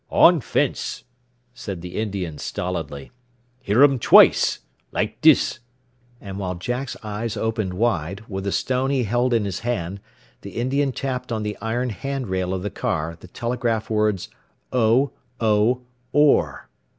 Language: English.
"On fence," said the Indian stolidly. "Hearum twice. Like dis:" And while Jack's eyes opened wide, with a stone he held in his hand the Indian tapped on the iron hand rail of the car the telegraph words, "Oh Oh Orr."